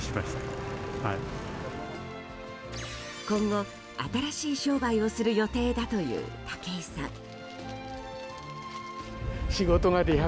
今後、新しい商売をする予定だという武井さん。